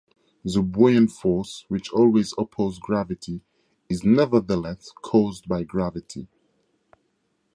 The buoyant force, which always opposes gravity, is nevertheless caused by gravity.